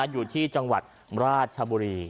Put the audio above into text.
อยู่ที่จังหวัดราชบุรี